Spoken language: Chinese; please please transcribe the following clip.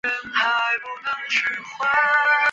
格拉那再也线的占美清真寺站属于布特拉轻快铁。